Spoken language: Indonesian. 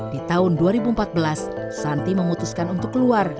di tahun dua ribu empat belas santi memutuskan untuk keluar